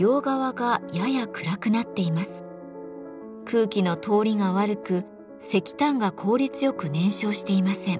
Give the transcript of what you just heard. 空気の通りが悪く石炭が効率よく燃焼していません。